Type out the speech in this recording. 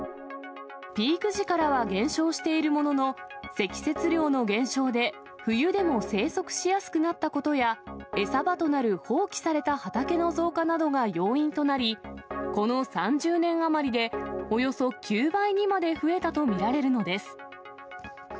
ピーク時からは減少しているものの、積雪量の減少で冬でも生息しやすくなったことや、餌場となる放棄された畑の増加などが要因となり、この３０年余りでおよそ９倍にまで増えたと見られるのです。